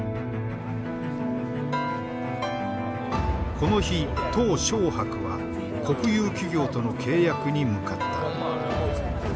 この日小白は国有企業との契約に向かった。